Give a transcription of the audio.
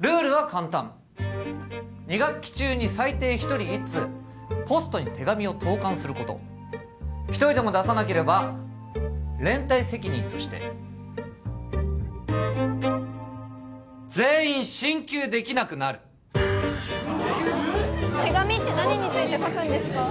ルールは簡単２学期中に最低１人１通ポストに手紙を投かんすること１人でも出さなければ連帯責任として全員進級できなくなる手紙って何について書くんですか？